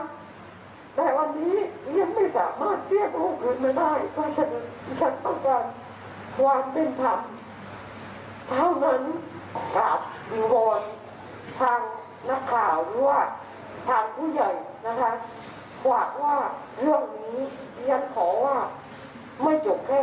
ไม่เกิดแค่นี้